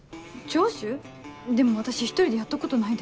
でも私１人でやったことないです。